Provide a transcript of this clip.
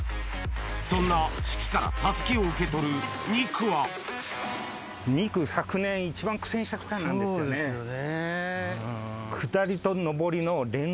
そんな志貴から襷を受け取る２区はそうですよね。